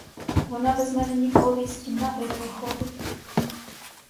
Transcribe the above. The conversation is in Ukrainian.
Вона без мене ніколи й з кімнати не виходить.